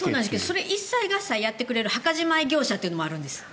それを一切合切やってくれる墓じまい業者もあるんです。